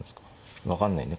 分かんないね。